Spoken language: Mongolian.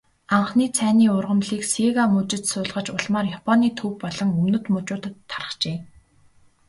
Анхны цайны ургамлыг Сига мужид суулгаж, улмаар Японы төв болон өмнөд мужуудад тархжээ.